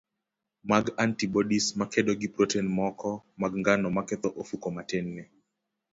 mag antibodies makedo gi protein moko mag ngano maketho ofuko matinni,